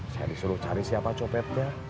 saya disuruh cari siapa copetnya